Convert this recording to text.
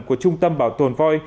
của trung tâm bảo tồn voi